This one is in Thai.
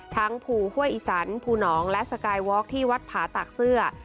ทั้งภูฮ้วยอิศรรย์ภูหนองและสกายวอล์กที่วัดผาร์ตักเสื้อ